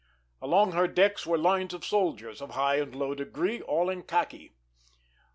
Along her decks were lines of soldiers, of high and low degree, all in khaki.